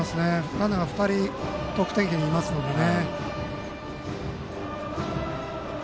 ランナーが２人得点圏にいますからね。